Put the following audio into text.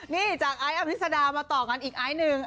นี่จากไอซ์อภิษฎามาต่อกันอีกไอซ์หนึ่ง